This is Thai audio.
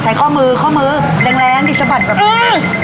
อ้ะอ้าทีมีข้อมือแรงที่สะบัดกับนี้